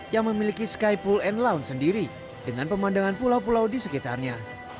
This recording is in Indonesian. yang memiliki skypul and lounge sendiri dengan pemandangan pulau pulau di sekitarnya